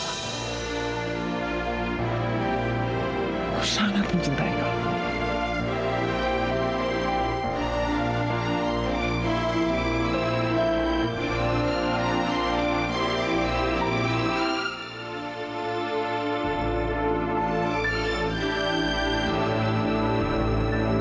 aku sangat mencintai kamu